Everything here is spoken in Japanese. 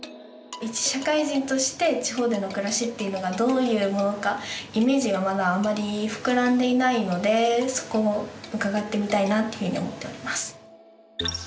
一社会人として地方での暮らしっていうのがどういうものかイメージがまだあんまり膨らんでいないのでそこを伺ってみたいなというふうに思っております。